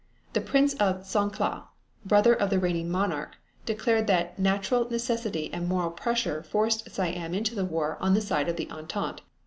The Prince of Songkla, brother of the reigning monarch, declared that natural necessity and moral pressure forced Siam into the war on the side of the Entente.